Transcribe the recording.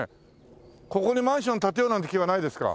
ここにマンション建てようなんて気はないですか？